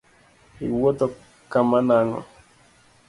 Iwuotho kama nang’o?